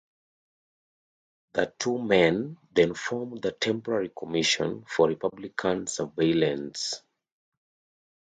The two men then formed the Temporary Commission for Republican Surveillance.